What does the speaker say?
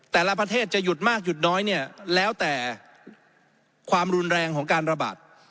แต่ละประเทศจะหยุดมากหยุดน้อยเนี่ยแล้วแต่ความรุนแรงของการระบาด